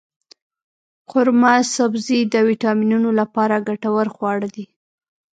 قورمه سبزي د ویټامینونو لپاره ګټور خواړه دی.